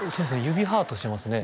指ハートしてますね